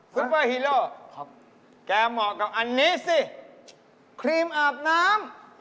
ซุปเปอร์ฮีโร่แกเหมาะกับอันนี้สิครีมอาบน้ำ